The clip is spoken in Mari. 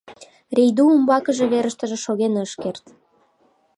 Рийду умбакыже верыштыже шоген ыш керт.